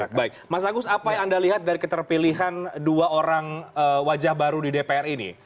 baik baik mas agus apa yang anda lihat dari keterpilihan dua orang wajah baru di dpr ini